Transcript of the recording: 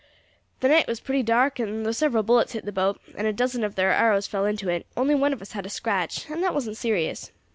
"The night was pretty dark, and though several bullets hit the boat, and a dozen of their arrows fell into it, only one of us had a scratch, and that wasn't serious.